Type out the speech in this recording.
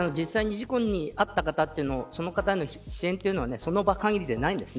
実際に事故に遭った方その方への支援というのはその場限りでないんです。